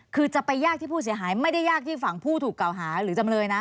คือจะไปยากที่ผู้เสียหายไม่ได้ยากที่ฝั่งผู้ถูกเก่าหาหรือจำเลยนะ